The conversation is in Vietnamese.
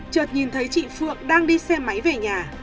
trượt nhìn thấy chị phượng đang đi xe máy về nhà